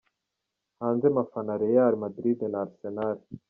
Hanze mafana Real Madrid na Arsenal.